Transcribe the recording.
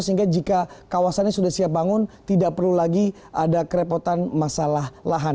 sehingga jika kawasannya sudah siap bangun tidak perlu lagi ada kerepotan masalah lahan